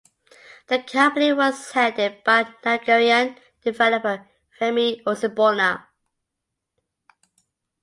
The company was headed by the Nigerian developer Femi Osibona.